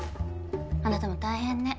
あなたも大変ね